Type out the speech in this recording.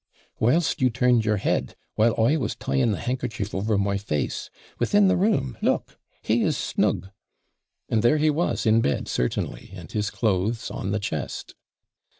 'Whilst you turned your head, while I was tying the handkerchief over my face. Within the room, look, he is snug.' And there he was in bed certainly, and his clothes on the chest.